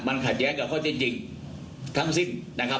มันขัดแย้งกับข้อเท็จจริงทั้งสิ้นนะครับ